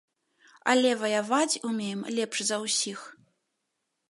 Але ваяваць умеем лепш за ўсіх.